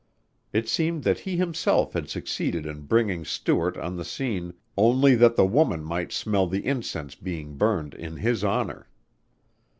It seemed that he himself had succeeded in bringing Stuart on the scene only that the woman might smell the incense being burned in his honor.